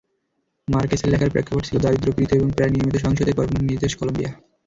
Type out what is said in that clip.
মার্কেসের লেখার প্রেক্ষাপট ছিল দারিদ্র্যপীড়িত এবং প্রায় নিয়মিত সহিংসতায় পরিপূর্ণ নিজ দেশ, কলম্বিয়া।